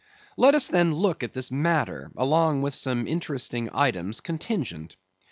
Let us, then, look at this matter, along with some interesting items contingent.